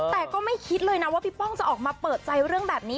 แต่ก็ไม่คิดเลยนะว่าพี่ป้องจะออกมาเปิดใจเรื่องแบบนี้